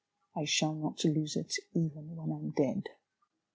I shall not lose it even when I am dead.